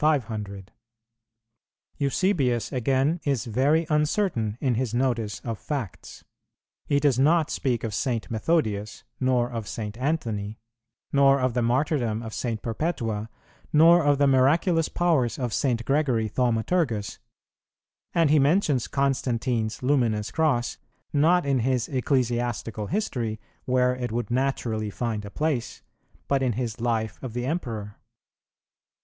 500.[115:2] Eusebius again, is very uncertain in his notice of facts: he does not speak of St. Methodius, nor of St. Anthony, nor of the martyrdom of St. Perpetua, nor of the miraculous powers of St. Gregory Thaumaturgus; and he mentions Constantine's luminous cross, not in his Ecclesiastical History, where it would naturally find a place, but in his Life of the Emperor.